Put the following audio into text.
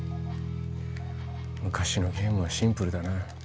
昔のゲームはシンプルだな